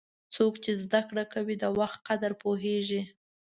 څوک چې زده کړه کوي، د وخت قدر پوهیږي.